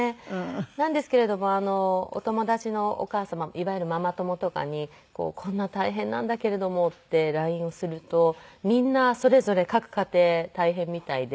なんですけれどもお友達のお母様いわゆるママ友とかにこんな大変なんだけれどもってＬＩＮＥをするとみんなそれぞれ各家庭大変みたいで。